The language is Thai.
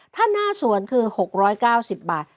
ถ้าหน้าสวนคือ๖๙๐บาท